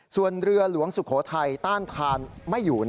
ส่วนเรือหลวงสุโขทัยต้านทานไม่อยู่